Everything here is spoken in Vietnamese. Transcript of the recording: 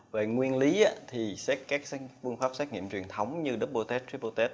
về nguyên lý thì các phương pháp xét nghiệm truyền thống như double test triple test